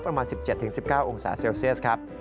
ประมาณ๑๗๑๙องศาเซลเซียสครับ